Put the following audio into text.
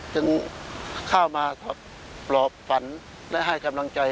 จึงเข้ามาปลอบฝันและให้กำลังใจ